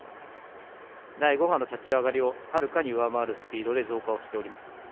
第５波の立ち上がりをはるかに上回るスピードで増加をしております。